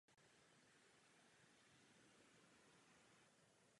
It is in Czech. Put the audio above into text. Bakalářský diplom z filosofie získal na jezuitské Universidad del Salvador v Buenos Aires.